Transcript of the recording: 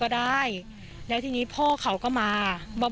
ก็กลายเป็นว่าติดต่อพี่น้องคู่นี้ไม่ได้เลยค่ะ